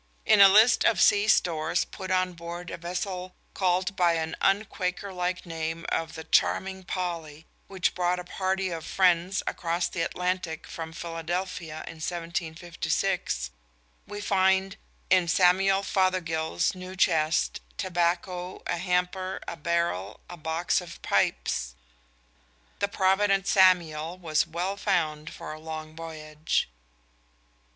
In a list of sea stores put on board a vessel called by the un Quaker like name of The Charming Polly, which brought a party of Friends across the Atlantic from Philadelphia in 1756, we find "In Samuel Fothergill's new chest ... Tobacco ... a Hamper ... a Barrel ... a box of pipes." The provident Samuel was well found for a long voyage.